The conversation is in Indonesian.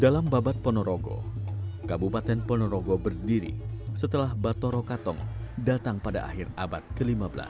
dalam babat ponorogo kabupaten ponorogo berdiri setelah batoro katong datang pada akhir abad ke lima belas